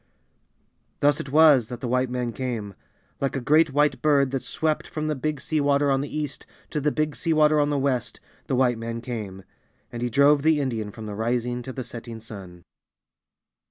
Thus it was that the White man came. Like a great White Bird that swept from the Big Sea Water on the east to the Big Sea Water on the west, the White man came; and he drove the Indian from the rising to the setting sun.